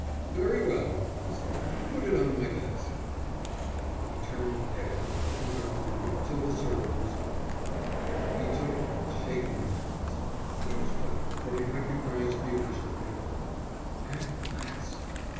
"Very well," he said. "Put it on my desk." He turned pale, but did not move till the servant was gone. He took it with shaking hands. He was right, for he recognized the official paper. At last!